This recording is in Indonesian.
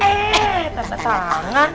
eh tanda tangan